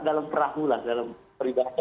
dalam perahulan dalam peribahasa